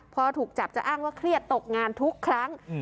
พอถูกจับจะอ้างว่าเครียดตกงานทุกครั้ง